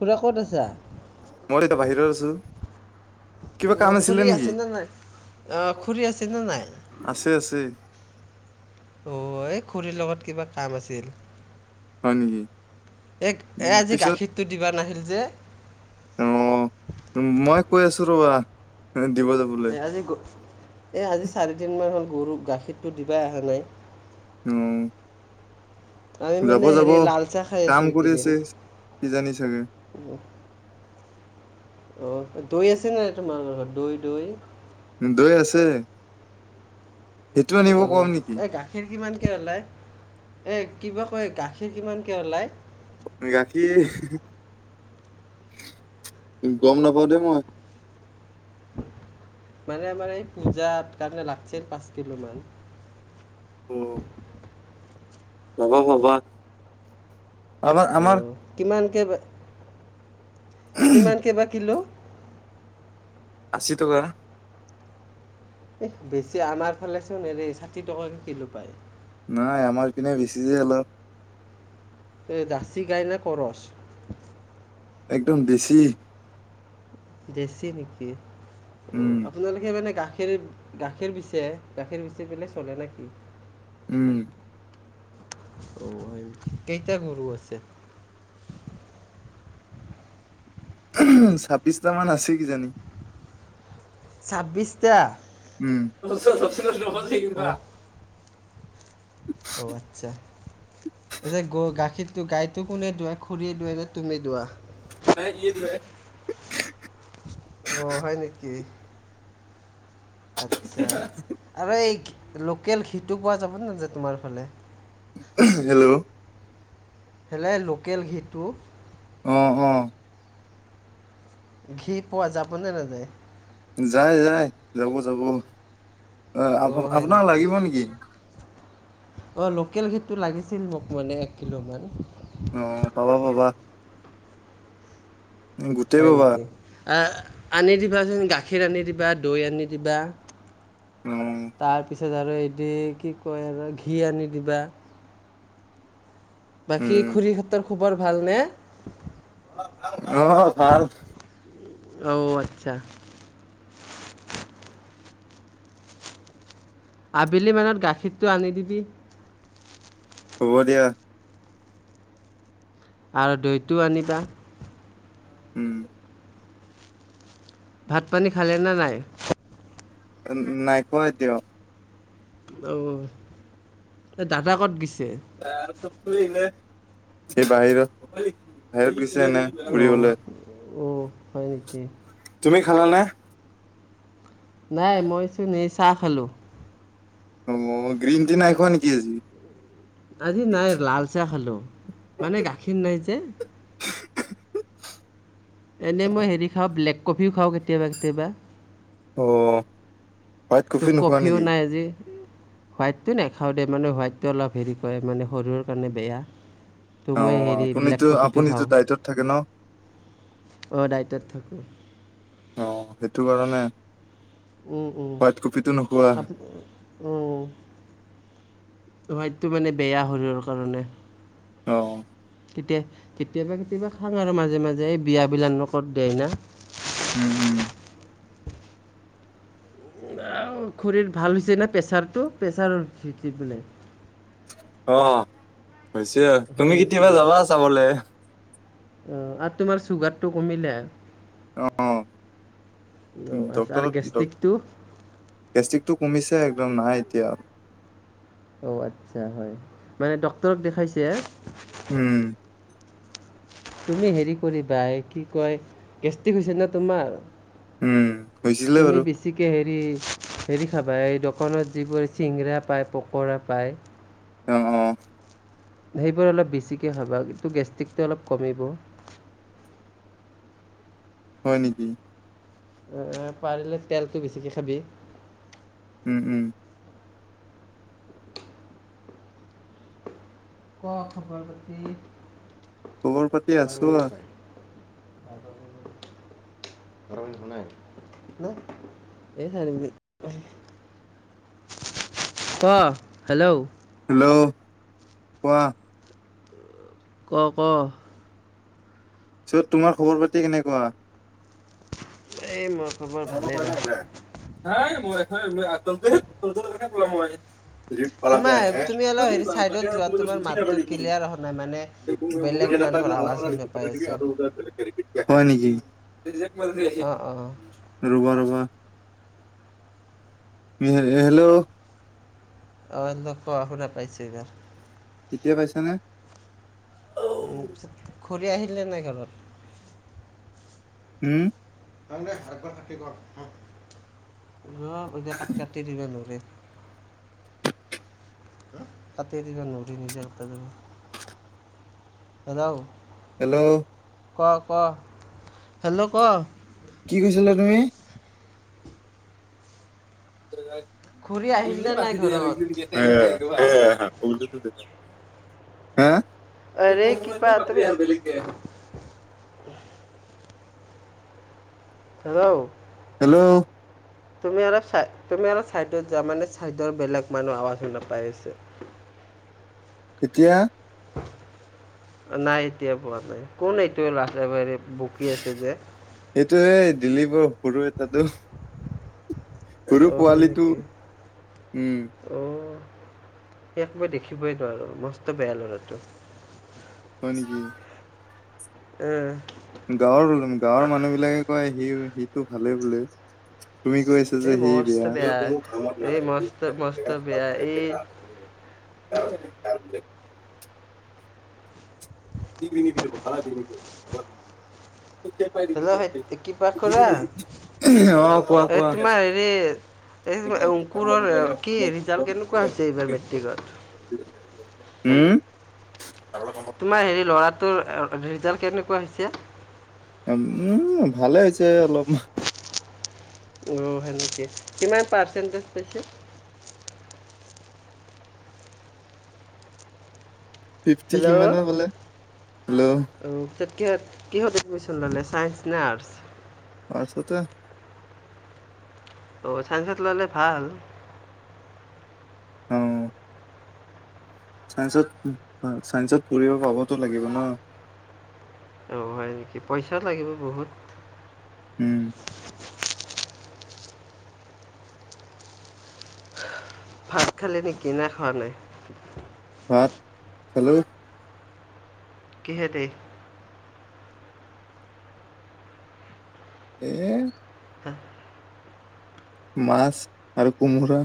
খুৰা ক'ত আছা। মই এতিয়া বাহিৰত আছো। কিবা অ কাম আছিলে খুৰী নেকি আছেনে নাই অ খুৰী আছেনে নাই। আছে আছে। অ এই খুৰীৰ লগত কিবা কাম আছিল। হয় নেকি। এই এই উম আজি পিছত গাখীৰটো দিবা নাহিল যে। অঁ' উম মই কৈ আছো ৰ'বা, দিব যাব। এই আজি গ এই আজি চাৰিদিনমান হ'ল গৰু গাখীৰটো দিবাই অহা নাই। উম' আমি যাব মানে যাব হেৰি লাল চাহ খাই আছোঁ কাম কৰি আছে কিজানি চাগে। অ' অ' দৈ আছে নাই তোমাৰলোকৰ ঘৰত দৈ দৈ। দৈ আছে। সেইটো আনিব কম নেকি অ' এ গাখীৰ কিমানকে ওলায়, এই কিবা কয় গাখীৰ কিমানকে ওলায়? গাখীৰ গম নাপাওঁ দেই মই। মানে আমাৰ এই পূজাৰ কাৰণে লাগছিল পাঁচ কিলোমান। অ' পাবা পাবা। অ' কিমানকে বা কিমানকে বা কিলো? আশী টকা। এহ বেছি আমাৰ ফালে চোন হেৰি ষাঠি টকাকে কিলো পায়। নাই আমাৰ এপিনে বেছি যে অলপ। এ জাচি গায় নে কৰচ? একদম ডেছি। ডেছি নেকি। অ' উম আপোনালোকে মানে গাখীৰ - গাখীৰ বিচে গাখীৰ বিচি পেলাই চলে নেকি? উম' অ' হয় নেকি, কেইটা গৰু আছে? ছাব্বিছটা মান আছে কিজানি। ছাব্বিছটা? উম' অ [unintelligible] অ' আৎচ্ছা। এই যে গ গাখীৰতো গাইতো কোনে দুৱাই খুৰীয়ে দুৱাই নে তুমি দুৱা? নাই, সিয়ে দুৱাই। অ' হয় নেকি? আৎচ্ছা, আৰু এই লোকেল ঘিঁটো পোৱা যাবনে নাযায় তোমাৰ ফালে? হেল্লৌ' কেলে লোকেল ঘিঁটো। অঁ' অঁ' ঘিঁ পোৱা যাবনে নাযায়? যায় যায়, যাব যাব। অ' আপ- হয় আপোনাক নেকি? লাগিব অ' লোকেল ঘিঁটো লাগিছিল মোক মানে এক কিলো মান। অঁ' পাবা, পাবা। গোটেই হয় পাবা নেকি? আ আনি দিবাচোন গাখীৰ আনি দিবা দৈ আনি দিবা। অঁও' তাৰপিছত আৰু এদি কি কয় আৰু ঘিঁ আনি দিবা। বাকী উম খুৰীহঁতৰ খবৰ ভালনে? অঁ ভাল। অও' আৎচ্ছা। আবেলি মানত গাখীৰটো আনি দিবি। হ'ব দিয়া। আৰু দৈটো আনিবা। উম ভাত পানী খালেনে নাই? নাই খোৱা এতিয়াও। অ', এই দাদা ক'ত গৈছে? [unintelligible] এই বাহিৰত বাহিৰত গৈছে এনে। অ', ফুৰিবলৈ অ', হয় নেকি? তুমি খালা নে? নাই, মইচোন এই চাহ খালোঁ। অ', গ্ৰীণটি নাই খোৱা নেকি আজি? আজি নাই, লাল চাহ খালোঁ। মানে গাখীৰ নাই যে। এনে মই হেৰি খাওঁ, ব্লেক কফিও কেতিয়াবা কেতিয়াবা। অ'। হোৱাইট ত' কফি নোখোৱা কফিও নেকি নাই আজি। হোৱাইতো নাখাওঁ দেই, মানে হোৱাইটতো অলপ হেৰি কৰে, মানে শৰীৰৰ কাৰনে বেয়া। ত' অ মই হেৰি ব্লেক আপুনিতো কফিটো আপুনিতো খাওঁ, ডাইটত থাকে ন অ', দাইতত থাকোঁ। অ', সেইটো কাৰণে। উম, উম। হোৱাইট কফিটো নোখোৱা উম, হোৱাইটতো মানে বেয়া শৰীৰৰ কাৰণে। অ'। কেতিয়া, কেতিয়াবা কেতিয়াবা খাং আৰু মাজে, মাজে, এই বিয়াবিলাক নকত দিয়ে না। উম, উম। খুৰীৰ ভাল হৈছে না প্ৰেছাৰটো, প্ৰেছাৰ [unintelligible] বোলে। অ', হৈছে, তুমি হয় নেকি কেতিয়াবা যাবা চাবলে। অ', আৰু তোমাৰ চুগাৰটো কমিলে? অ', আচ্ছা। আৰু ডক্টৰক ডক গেষ্ট্ৰিকটো গেষ্টিকটো কমিছে একদম, নাই এতিয়া। অ', আচ্ছা হয়, মানে ডক্তৰক দেখাইছে? উম। তুমি হেৰি কৰিবা, এই কি কয়? গেষ্টিক হৈছে ন তোমাৰ? উম, হৈছিলে তুমি বাৰু। বেছিকৈ হেৰি, হেৰি খাবা, এই দোকানত যিবোৰ চিংৰা পায়, পকৰা পায়। অ', অ'। সেইবোৰ অলপ বেছিকৈ খাবা, ত' গেষ্ট্ৰিকটো অলপ কমিব। হয় নেকি? এ পাৰিলে তেলটো বেছিকে খাবি। উম উম। [inaudible] [inaudible] [unintelligible] ক খবৰ পাতি আছো। হেল্ল'। হেল্ল'। কোৱা ক ক। যত তোমাৰ খবৰ পাতি কেনেকুৱা? এই মোৰ [unintelligible] [unintelligible] খবৰ ভালেই ৰ তোমাৰ তুমি অলপ হেৰি চাইডত যোৱা তোমাৰ মাতটো ক্লিয়াৰ অহা নাই মানে বেলেগ মানুহৰ আৱাজ শুনা পাই আছোঁ [unintelligible] হয় নিকি? অঁ [unintelligible] অঁ ৰ'বা ৰ'বা! হেল্ল'! অঁ কোৱা, শুনা পাইছোঁ এতিয়া। এতিয়া পাইছা নে? খুৰী আহিলে নে ঘৰত? উম। [unintelligible] কাটি দিবা নোৱাৰি, [unintelligible] হেল্ল'! ক' ক' হেল্ল'! ক'। কি কৈছিলা তুমি? খুৰী আহিল নে নাই ঘৰত [unintelligible] [unintelligible] হা? আৰে কিবা তুমি [unintelligible] আবেলিকে। হেল্ল'! হেল্ল'! তুমি অলপ চাই তুমি অলপ ছাইডত যাবা, মানে ছাইডৰ বেলেগ মানুহৰ আৱাজ শুনা পাই আছে। এতিয়া? নাই, এতিয়া পোৱা নাই। কোন এইটো [unintelligible] একেবাৰে বকি আছে যে। এইটো এ দিলীপৰ সৰু বেটাতো। অ' হয় নেকি? উম, অ' তাক মই দেখিবই নোৱাৰো, মস্ত বেয়া ল'ৰাটো। হয় নেকি? অঁ। গাঁৱৰ গাঁৱৰ মানুহ বিলাকে কয়, সি সিটো ভালে বোলে। তুমি কৈ আছা এই যে সি মস্ত বেয়া, এই মস্ত মস্ত বেয়া [unintelligible] কৰ সেইটো এই পাব্লিক। [unintelligible] [inaudible] অ', হেল্ল' কিবা খুৰা কোৱা, এই কোৱা। তোমাৰ হেৰি এই অংকুৰৰ কি ৰিজাল্ট কেনেকুৱা হৈছে এইবাৰ মেট্ৰিকত [inaudible] উম। তোমাৰ হেৰি ল'ৰাটোৰ অ, ৰিজাল্ট কেনেকুৱা হৈছে? উম, ভালে হৈছে অলপ। উম, সেনকে, কিমান পাৰ্চেণ্টেজ পাইছে? ফিফটি হেল্ল' কিমানৰ ক'লে? হেল্ল'। অ তাত' কিহত কিহত এডমিশ্যন ল'লে ছায়েন্স নে আৰ্টচ? [unintelligible] অ', ছাইন্সত ল'লে ভাল। অ'। চাইন্সত, উম' অ' চাইন্সত পঢ়িব পাবতো লাগিব ন। অ', হয় নেকি, পইচা লাগিব বহুত। উম। ভাত খালি নিকি, নে খোৱা নাই? ভাত, খালোঁ। কিহেদি? এ হা মাছ আৰু কোমোৰা।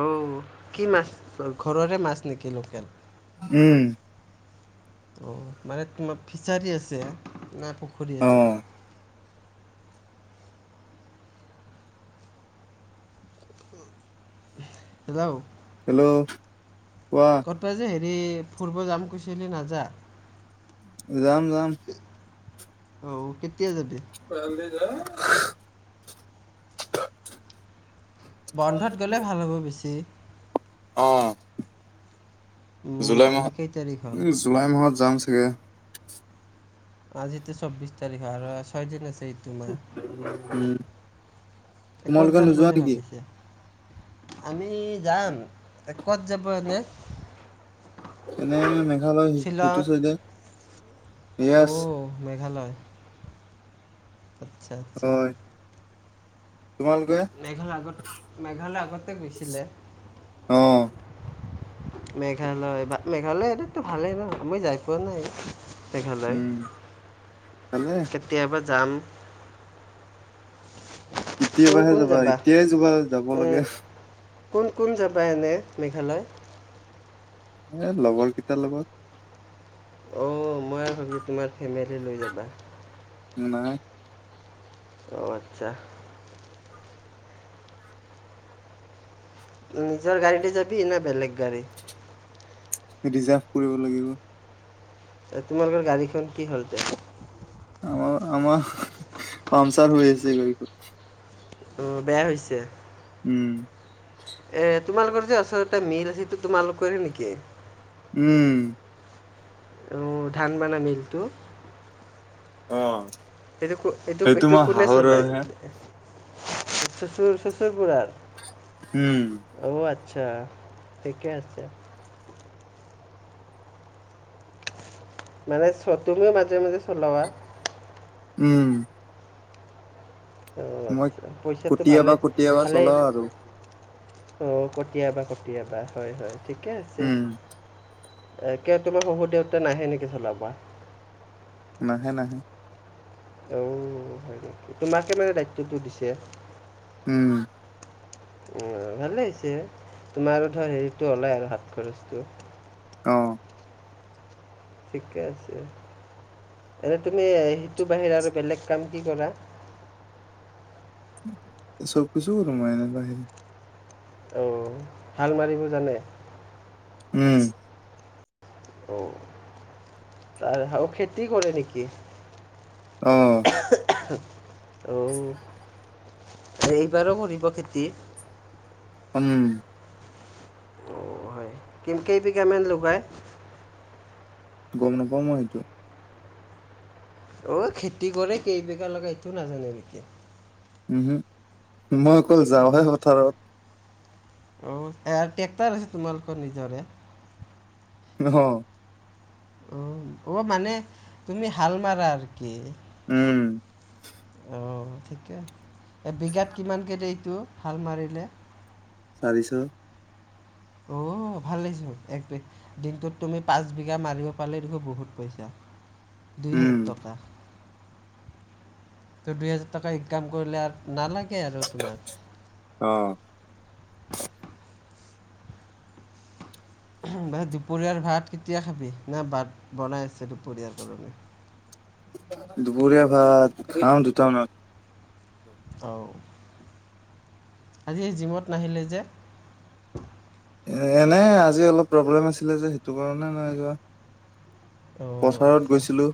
অ', কি মাছ ঘৰৰহে মাছ নেকি লোকেল? উম'। অ', মানে তোমা ফিছাৰী আছে, না পুখুৰী অ আছে? হেল্ল'? হেল্ল' কোৱা? তই যে হেৰি ফুৰিব যাম কৈছিলি নাযা? যাম যাম। অ', কেতিয়া যাবি? [unintelligible] বন্ধত গ'লে ভাল হ'ব বেছি। অ, উম, জুলাই আজি মাহত, কেই তাৰিখ হ'ল? উম জুলাই মাহত যাম চাগে। আজিতো চব্বিছ তাৰিখ, আৰু ছয়দিন আছে। মাহ। উম। এ ক'ত তোমালোকে যাম নোযোৱা বুলি নেকি? ভাবিছে, আমি যাম। এ ক'ত যাব এনে? এনেই মেঘালয় শ্বিলং সেইটো চাইডে। য়েছ অ', মেঘালয়? আচ্ছা, আচ্ছা। হয় তোমালোকে? মেঘল আগত, মেঘালয় আগতে গৈছিলে। অ'। মেঘালয় বা মেঘালয় এটাততো ভালেই ন, মই যাই পোৱা নাই। মেঘালয় উম ভালে কেতিয়াবা যাম। কোন কেতিয়াবাহে কোন যাবা এতিয়াই যোৱা যাব লাগে। উম, কোন কোন যাবা এনে মেঘালয়? এ লগৰকেইটাৰ লগত। অ মই [unintelligible] তোমাৰ ফেমিলি লৈ যাবা। নাই। অ' আচ্ছা। নিজৰ গাড়ী দি যাবি নে বেলেগ গাড়ী? ৰিজাৰ্ভ কৰিব লাগিব। তোমালোকৰ গাড়ীখন কি হ'ল? আমাৰ-আমাৰ পামচাৰ হৈ আছে গাড়ীখন। অঁ, বেয়া হৈছে। উম। এ তোমালোকৰ যে ওচৰতে মিল আছে সেইটো তোমালোকৰে নিকি? উম। উম ধান বানা মিলটো। অ'। এইটো কো এইটো সেইটো এইটো মই কোনে হাঁহৰৰ চলায়? হে চ চচুৰ চচুৰ বুৰাৰ উম অ' আচ্ছা, ঠিকে আছে মানে চত টোও মাজে মাজে চলোৱা উম অ' মই আচ্ছা পইচাটো ভালে কেতিয়াবা কেতিয়াবা ভালেই চলাও আৰু অ' কতিয়াবা কতিয়াবা হয়-হয় ঠিকে আছে। উম এ কিয় তোমাৰ শহু দেউতা নাহে নেকি চলাবা নাহে নাহে অ' হয় নেকি তোমাকে মানে দায়িত্বটো দিছে উম উম ভালে হৈছে, তোমাৰো ধৰ হেৰিটো ওলাই আৰু, হাত খৰচটো অ' ঠিকে আছে। এনে তুমি সেইটোৰ বাহিৰে আৰু বেলেগ কাম কি কৰা [unintelligible] কৰো মই ইয়াৰ বাহিৰে অঁ হাল মাৰিব জানে উম অ' তাৰ হাও খেতি কৰে নেকি অ' অউ' এইবাৰোঁ কৰিব খেতি উম কিম কেই বিঘা মান লগায় গম নাপাওঁ মই সেইটো অ' খেতি কৰে কেইবিঘা লগা এইটো নাজানে নিকি উমহো, মই অকল যাওঁহে পথাৰত অ' এয়াৰ ট্ৰেক্টৰ আছে তোমালোকৰ নিজৰে অঁ'হ অ', অ' মানে তুমি হাল মাৰা আৰু কি উম অঁ ঠিকে আছে এবিঘাত কিমানকে দে এইটো, হাল মাৰিলে চাৰিছ অ ভাল লাগিচো এক বেঘ দিনটোত তুমি পাঁচ বিঘা মাৰিব পালে দেখোন বহুত পইচা দুই উম হাজাৰ টকা ত' দুই হাজাৰ টকা ইনকাম কৰিলে আৰু নালাগে আৰু তোমাক। অ দুপৰীয়াৰ ভাত কেতিয়া খাবি না বাত বনাই আছে দুপৰীয়াৰ কাৰণে দুপৰীয়া ভাত খাও দুটামানত অউ আজি জিমত নাহিলে যে এনেই আজি অলপ প্ৰব্লেম আছিলে যে সেইটো কাৰণে নাই যোৱা অ' পথাৰত আচ্ছা গৈছিলোঁ